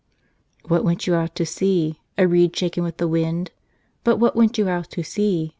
"WHAT went you out to see? A reed shaken with the wind ? But what went you out to see